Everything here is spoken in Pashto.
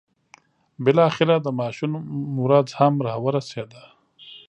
بالاخره د ماشوم ورځ هم را ورسېده.